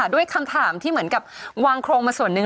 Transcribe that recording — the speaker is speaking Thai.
ด้วยคำถามที่เหมือนกับวางโครงมาส่วนหนึ่ง